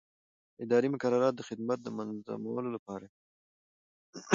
اداري مقررات د خدمت د منظمولو لپاره دي.